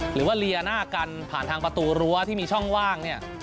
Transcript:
หรือว่าเลียหน้ากันผ่านทางประตูรั้วที่มีช่องว่างเนี่ย